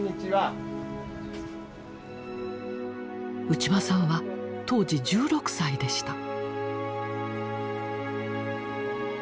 内間さんは当時１６歳でした。